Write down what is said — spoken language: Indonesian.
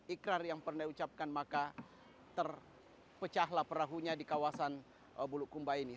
ikrar yang pernah diucapkan maka terpecahlah perahunya di kawasan bulukumba ini